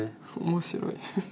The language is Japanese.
面白い。